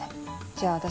じゃあ私